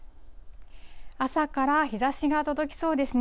朝から日ざしが届きそうですね。